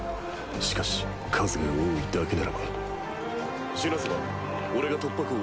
しかし数が多いだけならばシュナ様俺が突破口を開きます。